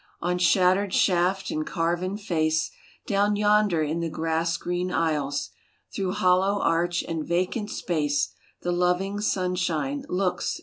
On shattered shaft and carven face, Down yonder in the grass green aisles, Through hollow arch and vacant space The loving sunshine looks and smiles.